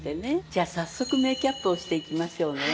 じゃあ早速メイキャップをしていきましょうね。